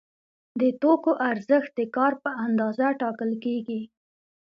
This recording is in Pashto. د توکو ارزښت د کار په اندازه ټاکل کیږي.